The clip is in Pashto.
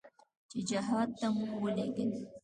چې جهاد ته مو ولېږي.